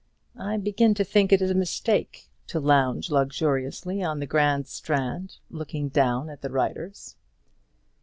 I begin to think it is a mistake to lounge luxuriously on the grand stand, looking down at the riders.